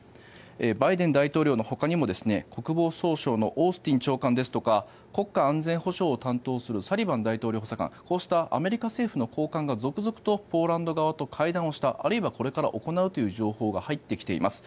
バイデンのほかにも国防総省のオースティン長官ですとか国家安全保障を担当するサリバン大統領補佐官こうしたアメリカ政府の高官が続々とポーランド側と会談をしたあるいはこれから行うという情報が入ってきています。